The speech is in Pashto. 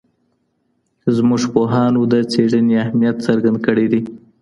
زمونږ پوهانو د څېړنې اهمیت څرګند کړی دی.